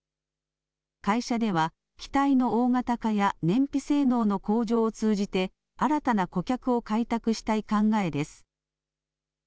会社では機体の大型化や燃費性能の向上を通じて新たな顧客を開拓したい考えです。